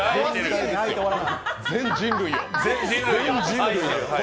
全人類へ。